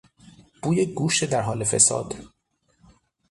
بوی گوشت در حال فساد